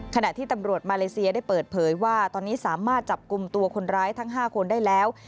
ขณะที่ตำรวจมาเลเซียได้เปิดเผยว่าตอนนี้สามารถจับกลุ่มตัวคนร้ายทั้ง๕คนได้แล้ว